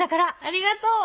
ありがとう。